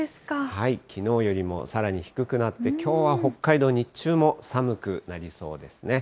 きのうよりもさらに低くなって、きょうは北海道、日中も寒くなりそうですね。